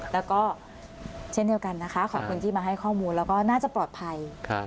แล้วก็เช่นเดียวกันนะคะขอบคุณที่มาให้ข้อมูลแล้วก็น่าจะปลอดภัย